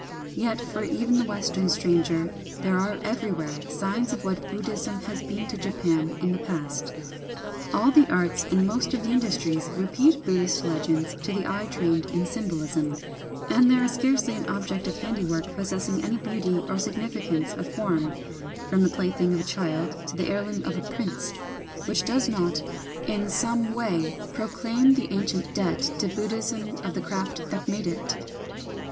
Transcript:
Yet for even the Western stranger there are everywhere signs of what Buddhism has been to Japan in the past. All the arts and most of the industries repeat Buddhist legends to the eye trained in symbolism ; and there is scarcely an object of handiwork possessing any beauty or significance of form — from the plaything of a child to the heir loom of a prince — which does not in some 186 BUDDHIST ALLUSIONS wsij proclaim the ancient debt to Buddhism of the craft that made it.